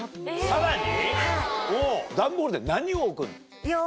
さらに？